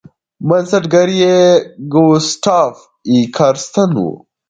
بنسټګر یې ګوسټاف ای کارستن و.